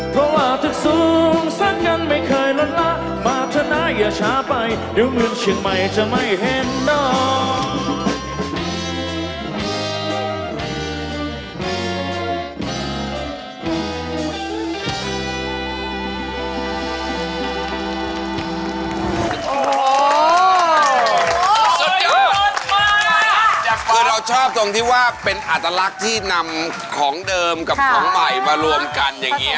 เพราะว่าถึงสูงสั้นกันไม่เคยลดละมาเถอะนะอย่าช้าไปเดี๋ยวเงินเชียงใหม่จะไม่เห็นเนาะ